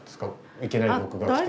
いきなり僕が来て。